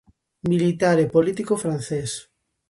Militar e político francés.